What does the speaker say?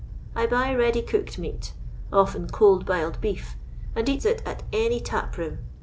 I buy ready cooked meat; often cold b'iled beef, and eats it at any tap room.